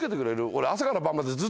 俺。